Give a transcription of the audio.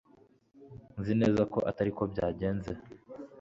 Nzi neza ko atari ko byagenze